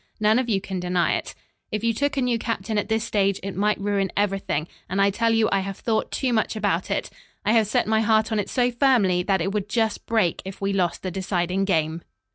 None of you can deny it. If you took a new captain at this stage it might ruin everything, and I tell you I have thought too much about it; I have set my heart on it so firmly that it would just break if we lost the deciding game."